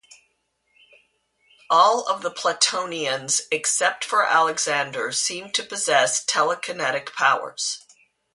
All of the Platonians, except for Alexander, seem to possess telekinetic powers.